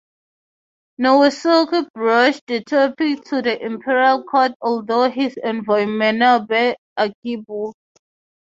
Naosuke broached the topic to the Imperial court through his Envoy Manabe Akibuke.